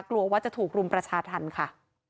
กลัวว่าจะถูกรุมประชาธรรมค่ะ